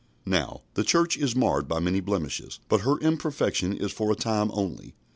" Now, the Church is marred by many blemishes, but her imperfection is for a time only.